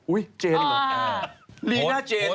อุ๊ยเจนเหรอ